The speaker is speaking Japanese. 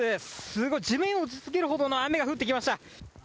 すごい、地面を打ちつけるほどの雨が降ってきました。